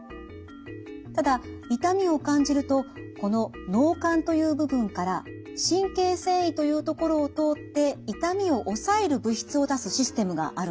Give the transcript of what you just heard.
ただ痛みを感じるとこの脳幹という部分から神経線維というところを通って痛みをおさえる物質を出すシステムがあるんです。